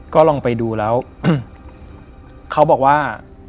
ก็ลองไปดูแล้วเขาบอกว่า